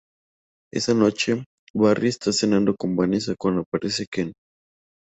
Esa noche, Barry está cenando con Vanessa cuando aparece Ken.